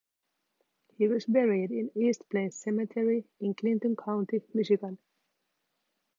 He was buried in East Plains Cemetery in Clinton County, Michigan.